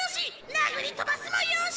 殴り飛ばすもよし。